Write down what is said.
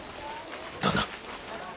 旦那。